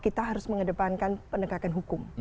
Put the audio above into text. kita harus mengedepankan penegakan hukum